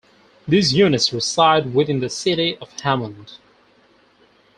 These units reside within the city of Hammond.